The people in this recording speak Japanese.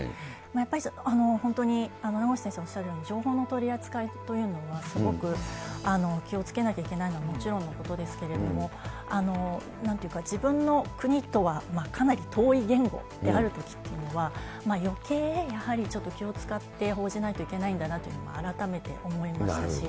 やっぱり本当に名越先生おっしゃるように、情報の取り扱いというのは、すごく気をつけなきゃいけないのはもちろんのことですけれども、なんていうか、自分の国とはかなり遠い言語であるときっていうのは、よけい、やはりちょっと気を遣って報じないといけないんだなというのを改めて思いましたし。